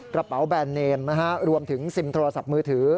กระเป๋าแบรนดเนมรวมถึงซิมโทรศัพท์มือถือ